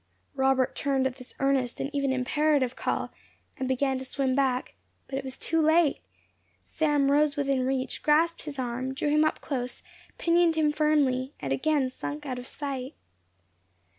Robert turned at this earnest and even imperative call, and began to swim back; but it was too late. Sam rose within reach, grasped his arm, drew him up close, pinioned him firmly, and again sunk out of sight.